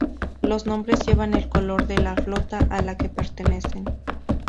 Los nombres llevan el color de la flota a la que pertenecen.